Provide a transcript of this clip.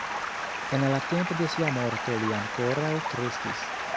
En la tempo de sia morto li ankoraŭ kreskis.